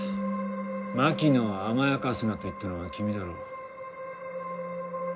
「槙野を甘やかすな」と言ったのは君だろう？